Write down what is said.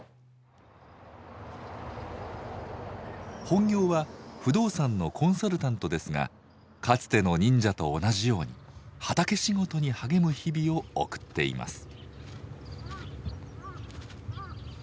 本業は不動産のコンサルタントですがかつての忍者と同じように畑仕事に励む日々を送っています。